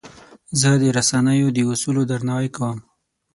زه د رسنیو د اصولو درناوی کوم.